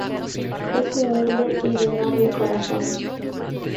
Es humilde y de noble corazón.